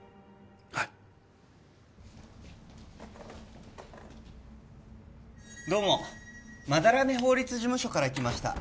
はいどうも斑目法律事務所から来ました